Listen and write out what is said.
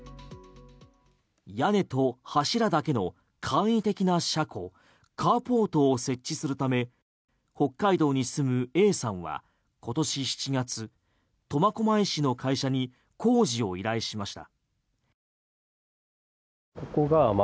屋根と柱だけの簡易的な車庫カーポートを設置するため北海道に住むＡさんは今年７月苫小牧市の会社に工事を依頼しました。